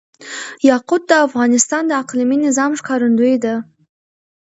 یاقوت د افغانستان د اقلیمي نظام ښکارندوی ده.